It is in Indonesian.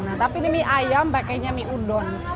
nah tapi ini mie ayam pakainya mie udon